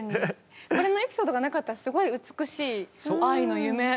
これのエピソードがなかったらすごい美しい「愛の夢」